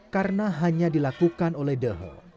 karena hanya dilakukan oleh dehe